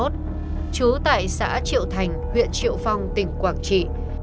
trú tại xã triệu thành huyện triệu phong tỉnh quảng trị